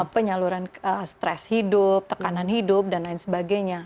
penyaluran stres hidup tekanan hidup dan lain sebagainya